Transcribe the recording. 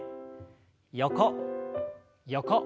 横横。